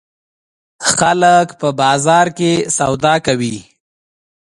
خلک په بازار کې سودا کوي.